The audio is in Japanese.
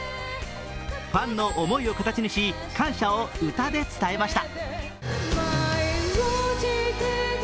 ファンの思いを形にし感謝を歌で伝えました。